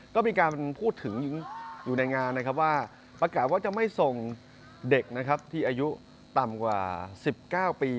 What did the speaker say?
ก็มีการพูดถึงอยู่ในงานประกาศว่าจะไม่ส่งเด็กที่อายุต่ำกว่า๑๙ปี